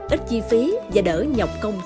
ít chi phí và đỡ nhọc công do